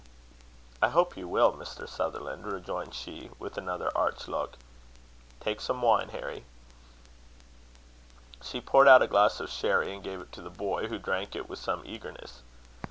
"I hope you will, Mr. Sutherland," rejoined she, with another arch look. "Take some wine, Harry." She poured out a glass of sherry, and gave it to the boy, who drank it with some eagerness.